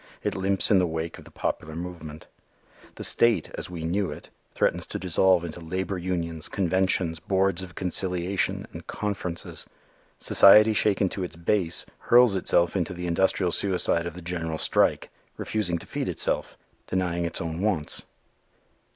It limps in the wake of the popular movement. The "state", as we knew it, threatens to dissolve into labor unions, conventions, boards of conciliation, and conferences. Society shaken to its base, hurls itself into the industrial suicide of the general strike, refusing to feed itself, denying its own wants.